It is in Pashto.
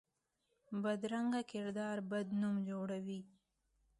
بدرنګه کردار بد نوم جوړوي